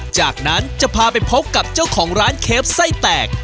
จากนั้นจะพาไปพบกับเจ้าของร้านเคฟไส้แตก